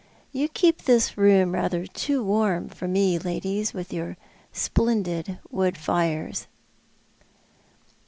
" You keep this room rather too warm for me, ladies, with your splendid wood fires."